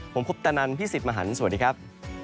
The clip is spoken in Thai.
ผมคุปตะนันพี่สิทธิ์มหันฯสวัสดีครับ